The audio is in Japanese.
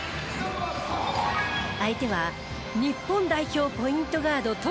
相手は日本代表ポイントガード